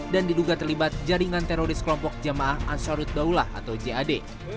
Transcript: dan diduga terlibat jaringan teroris kelompok jamaah ansarud baulah atau jad